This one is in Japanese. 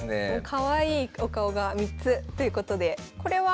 かわいいお顔が３つということでこれは。